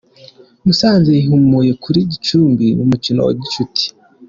musanze yihimuye kuri gicumbi mu mukino wa gicuti